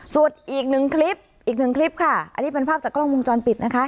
ส่วนอีก๑คลิปอีก๑คลิปค่ะอันนี้เป็นภาพจากกล้องมุมจรปิดนะคะ